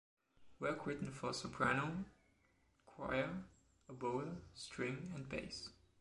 Work written for soprano, choir, oboe, string and bass.